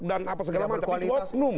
dan apa segala macam